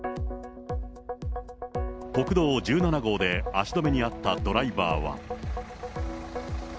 国道１７号で足止めにあったドライバーは。